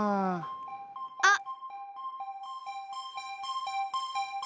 あっ！